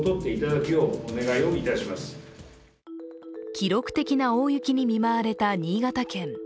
記録的な大雪に見舞われた新潟県。